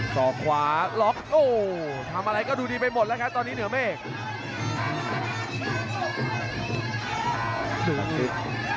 สอบขวาล็อกโอ้ทำอะไรก็ดูดีไปหมดแล้วครับตอนนี้เหนือเมฆ